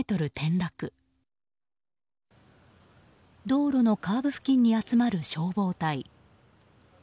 道路のカーブ付近に集まる消防隊。